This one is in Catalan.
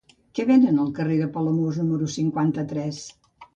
Què venen al carrer de Palamós número cinquanta-tres?